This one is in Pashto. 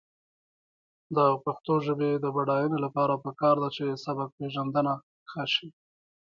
د پښتو ژبې د بډاینې لپاره پکار ده چې سبکپېژندنه ښه شي.